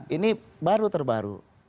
ini baru terbaru